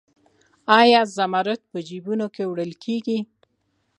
آیا زمرد په جیبونو کې وړل کیږي؟